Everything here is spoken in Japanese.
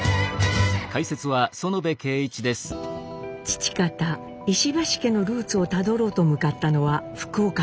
父方石橋家のルーツをたどろうと向かったのは福岡県。